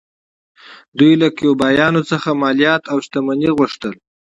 دوی له کیوبایانو څخه مالیات او شتمنۍ غوښتل